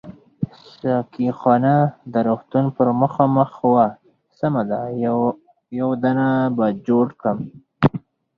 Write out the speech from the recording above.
ساقي خانه د روغتون پر مخامخ وه، سمه ده یو دانه به جوړ کړم.